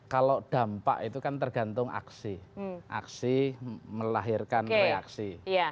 kalau dampak itu kan tergantung aksi aksi melahirkan reaksi